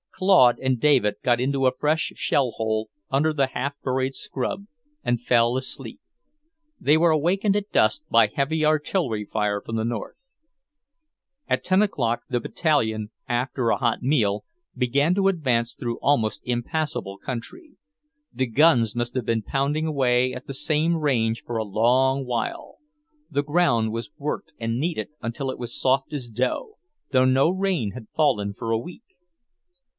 Claude and David got into a fresh shell hole, under the half burned scrub, and fell asleep. They were awakened at dusk by heavy artillery fire from the north. At ten o'clock the Battalion, after a hot meal, began to advance through almost impassable country. The guns must have been pounding away at the same range for a long while; the ground was worked and kneaded until it was soft as dough, though no rain had fallen for a week.